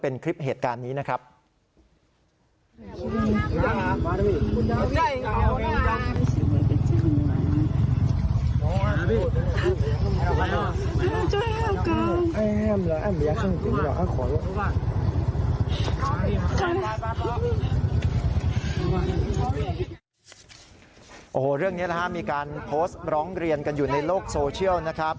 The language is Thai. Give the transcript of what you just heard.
เรื่องนี้นะครับมีการโพสต์ร้องเรียนกันอยู่ในโลกโซเชียลนะครับ